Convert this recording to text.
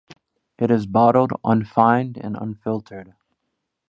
It is bottled unfined and unfiltered.